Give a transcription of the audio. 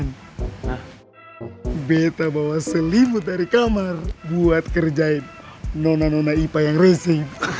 beta bawa selimut dari kamar buat kerjain nona nona ipa yang resmi